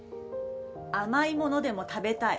甘いものでも食べたい。